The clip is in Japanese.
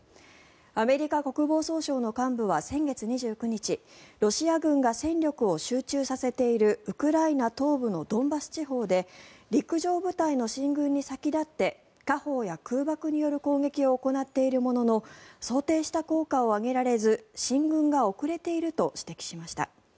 アメリカ国防総省の幹部は先月２９日ロシア軍が戦力を集中させているウクライナ東部のドンバス地方で陸上部隊の進軍に先立って火砲や空爆による攻撃を行っているものの想定した効果を上げられず進軍が遅れていると指摘しました。